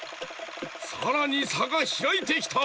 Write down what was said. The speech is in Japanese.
さらにさがひらいてきた！